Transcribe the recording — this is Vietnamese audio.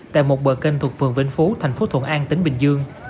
tại một bờ kênh thuộc vườn vinh phú thành phố thuận an tỉnh bình dương